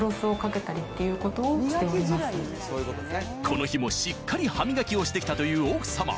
この日もしっかり歯磨きをして来たという奥様